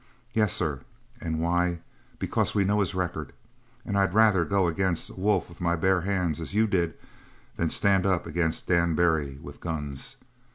Yes, sir! And why? Because we know his record; and I'd rather go against a wolf with my bare hands as you did than stand up against Dan Barry with guns.